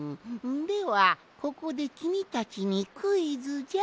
ではここできみたちにクイズじゃ。